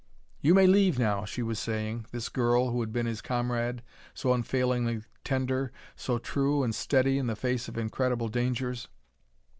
"You may leave now," she was saying this girl who had been his comrade, so unfailingly tender, so true and steady in the face of incredible dangers.